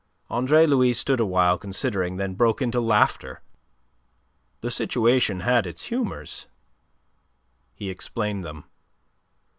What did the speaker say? Andre Louis stood awhile, considering, then broke into laughter. The situation had its humours. He explained them.